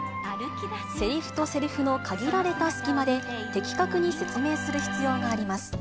せりふとせりふの限られた隙間で、的確に説明する必要があります。